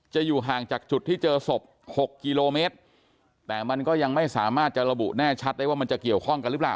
อยู่ห่างจากจุดที่เจอศพหกกิโลเมตรแต่มันก็ยังไม่สามารถจะระบุแน่ชัดได้ว่ามันจะเกี่ยวข้องกันหรือเปล่า